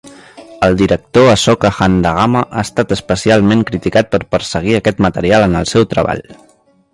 El director Asoka Handagama ha estat especialment criticat per perseguir aquest material en el seu treball.